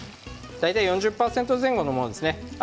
大体４０％前後のものですね。